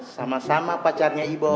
sama sama pacarnya ibob